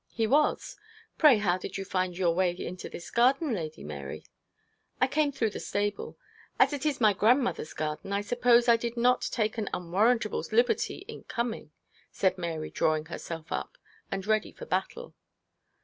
'He was. Pray how did you find your way into this garden, Lady Mary?' 'I came through the stable. As it is my grandmother's garden I suppose I did not take an unwarrantable liberty in coming,' said Mary, drawing herself up, and ready for battle.